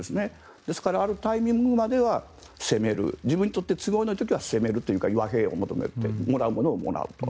ですから、あるタイミングまでは攻める自分にとって都合のいい時は攻めるというか和平を求めてもらうものをもらうと。